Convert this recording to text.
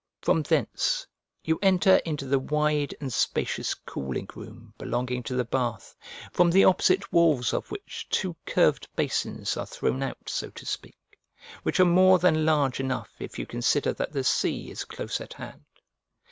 From thence you enter into the wide and spacious cooling room belonging to the bath, from the opposite walls of which two curved basins are thrown out, so to speak; which are more than large enough if you consider that the sea is close at hand.